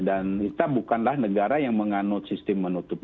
dan kita bukanlah negara yang menganut sistem menerbang